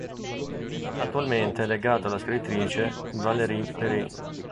Attualmente è legato alla scrittrice Valerie Perrin.